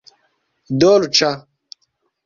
dolĉa